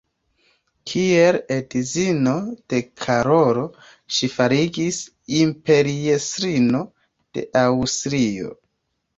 Kiel edzino de Karolo ŝi fariĝis imperiestrino de Aŭstrio.